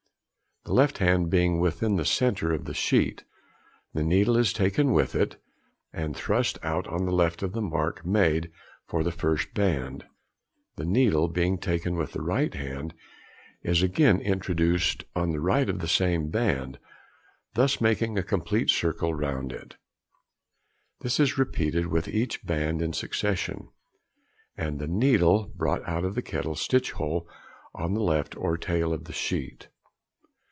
The left hand being within the centre of the sheet, the needle is taken with it, and thrust out on the left of the mark made for the first band; the needle being taken with the right hand, is again introduced on the right of the same band, thus making a complete circle round it. This is repeated with each band in succession, and the needle brought out of the kettle stitch hole on the left or tail of the sheet.